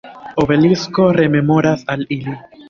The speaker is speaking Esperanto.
Obelisko rememoras al ili.